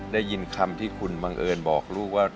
ได้ยินคำที่คุณบังเอิญบอกลูกว่า